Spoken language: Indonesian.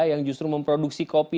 yang justru memproduksi kopi